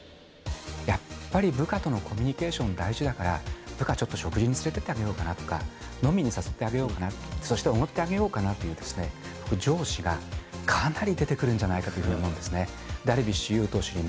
やっぱり部下とのコミュニケーション大事だから、部下ちょっと食事に連れてってあげようかなとか、飲みに誘ってあげようかな、そしておごってあげようかなと、上司がかなり出てくるんじゃないかというふうに思うんですね。